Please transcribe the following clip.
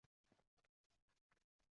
— Bekor kelyapsan men bilan.